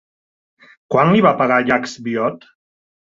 Quant li va pagar Jacques Viot?